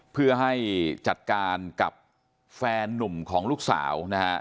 เพื่อให้จัดการกับแฟนนุ่มของลูกสาวนะฮะ